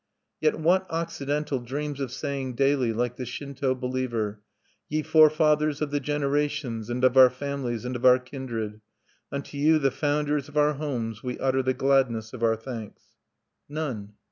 Yet what Occidental dreams of saying daily, like the Shinto believer: "_Ye forefathers of the generations, and of our families, and of our kindred, unto you, the founders of our homes, we utter the gladness of our thanks_"? None.